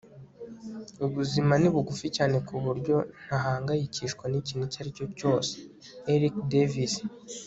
ubuzima ni bugufi cyane ku buryo ntahangayikishwa n'ikintu icyo ari cyo cyose. - eric davis